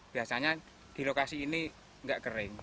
biasanya di lokasi ini nggak kering